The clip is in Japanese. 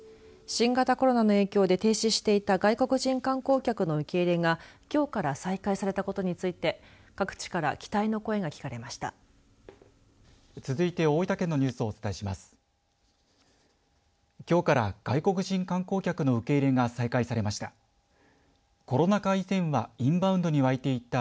新型コロナの影響で停止していた外国人観光客の受け入れがきょうから再開されたことについて各地から期待の声が聞かれました。